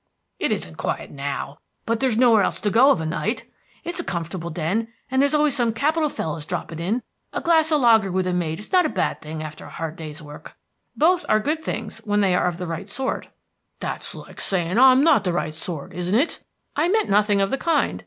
"It isn't quiet now, but there's nowhere else to go of a night. It's a comfortable den, and there's always some capital fellows dropping in. A glass of lager with a mate is not a bad thing after a hard day's work." "Both are good things when they are of the right sort." "That's like saying I'm not the right sort, isn't it?" "I meant nothing of the kind.